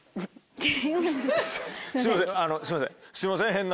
すいません